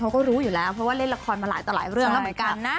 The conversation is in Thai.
เขาก็รู้อยู่แล้วเพราะว่าเล่นละครมาหลายต่อหลายเรื่องแล้วเหมือนกันนะ